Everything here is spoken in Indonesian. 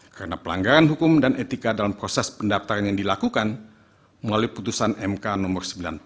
karena pelanggaran hukum dan etika dalam proses pendaftaran yang dilakukan melalui putusan mk no sembilan puluh